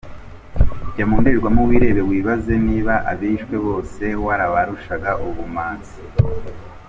Jya mu ndorerwamo wirebe wibaze niba abishwe bose warabarushaga ubumanzi.